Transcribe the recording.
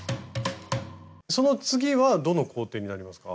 その次はどの工程になりますか？